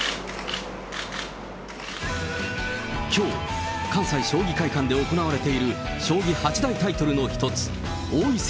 きょう、関西将棋会館で行われている、将棋８大タイトルの一つ、王位戦